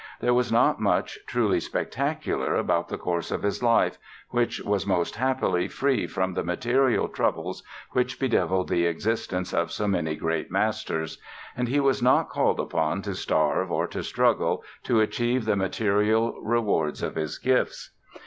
There was not much truly spectacular about the course of his life, which was most happily free from the material troubles which bedeviled the existence of so many great masters; and he was not called upon to starve or to struggle to achieve the material rewards of his gifts.